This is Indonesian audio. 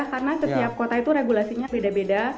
karena setiap kota itu regulasinya beda beda